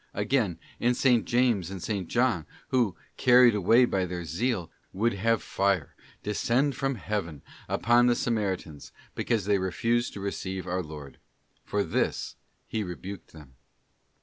* Again, in S. James and 8. John, who, carried away by their zeal, would have fire descend from heaven upon the Samaritans, because they refused to receive our Lord. For this He rebuked them.